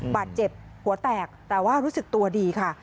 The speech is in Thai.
บาดเจ็บหัวแตกแต่ว่ารู้สึกตัวดีค่ะ